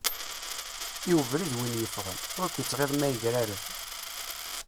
I ubrid win i yeffɣen, ur k-ittɣiḍ ma yegrareb.